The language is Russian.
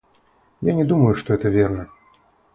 Я не думаю, что это верно.